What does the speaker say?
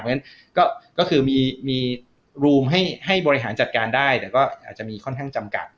เพราะฉะนั้นก็คือมีรูมให้บริหารจัดการได้แต่ก็อาจจะมีค่อนข้างจำกัด